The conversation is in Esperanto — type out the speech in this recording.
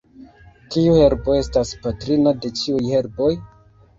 Kiu herbo estas patrino de ĉiuj herboj?